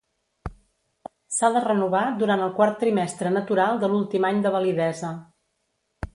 S'ha de renovar durant el quart trimestre natural de l'últim any de validesa.